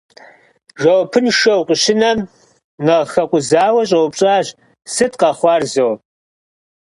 Жэуапыншэу къыщынэм, нэхъ хэкъузауэ щӀэупщӀащ: «Сыт къэхъуар зо?».